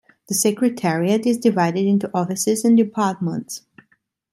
The Secretariat is divided into offices and departments.